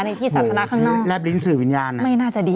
ในที่สัปดาห์ข้างนอกแรบลิ้นสื่อวิญญาณเนี่ยไม่น่าจะดี